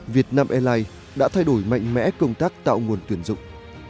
việt nam airlines đã thay đổi mạnh mẽ công tác tạo nguồn tuyển dụng